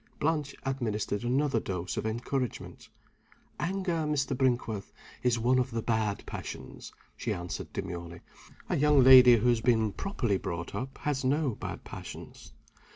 Blanche administered another dose of encouragement. "Anger, Mr. Brinkworth, is one of the bad passions," she answered, demurely. "A young lady who has been properly brought up has no bad passions."